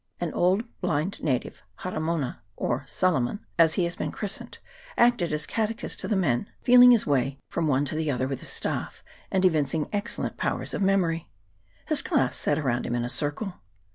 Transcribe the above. An old blind native, Haramona, or So lomon, as he has been christened, acted as catechist to the men, feeling his way from one to the other with his staff, and evincing excellent powers of CHAP. XXIII.] NATIVE CATECHISTS. 319 memory ; his class sat around him in a circle.